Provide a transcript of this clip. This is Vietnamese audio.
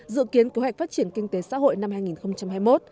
dự kiến kế hoạch phát triển kinh tế xã hội năm hai nghìn hai mươi một